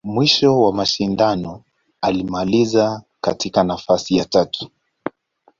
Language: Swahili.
Mwisho wa mashindano, alimaliza katika nafasi ya tatu.